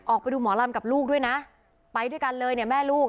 ออกไปดูหมอลำกับลูกด้วยนะไปด้วยกันเลยเนี่ยแม่ลูก